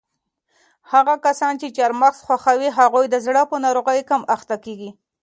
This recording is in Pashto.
هغه کسان چې چهارمغز خوښوي هغوی د زړه په ناروغیو کم اخته کیږي.